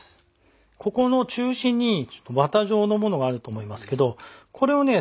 ここの中心にワタ状のものがあると思いますけどこれをね